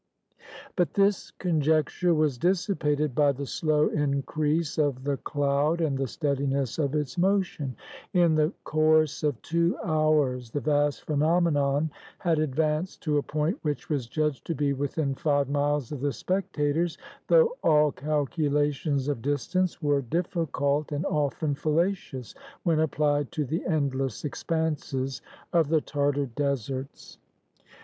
But this conjecture was dissipated by the slow increase of the cloud and the steadiness of its motion. In the course of two hours the vast phenomenon had advanced to a point which was judged to be within five miles of the spectators, though all calculations of distance were 178 THE COMING OF THE KALMUCKS difficult, and often fallacious, when applied to the endless expanses of the Tartar deserts.